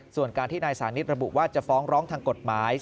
ส่วนการที่นายสานิทระบุว่าจะฟ้องร้องทางกฎหมาย